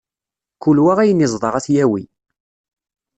Kul wa ayen iẓda ad t-yawi.